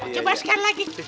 coba sekali lagi